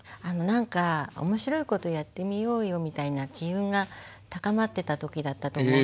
何か面白いことやってみようよみたいな機運が高まってた時だったと思うんですね。